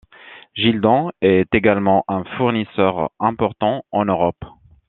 Gildan est également un fournisseur important en Europe.